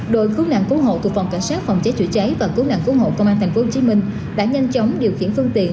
đội cứu nạn cứu hộ thuộc phòng cảnh sát phòng cháy chữa cháy và cứu nạn cứu hộ công an tp hcm đã nhanh chóng điều khiển phương tiện